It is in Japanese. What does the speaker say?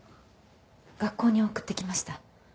学校に送ってきました。